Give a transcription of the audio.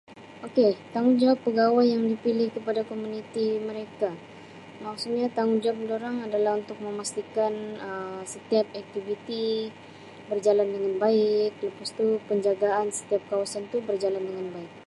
Okay, tanggungjawab pegawai yang dipilih kepada komuniti mereka, maksudnya tanggungjawab durang adalah untuk memastikan Um setiap aktiviti berjalan dengan baik lepas tu penjagaan setiap kawasan tu berjalan dengan baik.